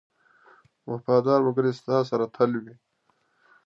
• وفادار ملګری ستا سره تل وي.